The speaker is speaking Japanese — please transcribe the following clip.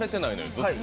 ずっと。